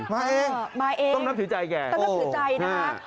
มาเองต้องนับถือใจแกนะครับโอ้โฮ